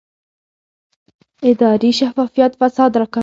اداري شفافیت فساد راکموي